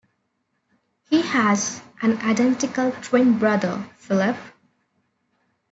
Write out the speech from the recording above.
He has an identical twin brother, Phillip.